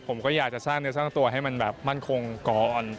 ผมก็อยากจะสร้างเนื้อสร้างตัวให้มันแบบมั่นคงก่อน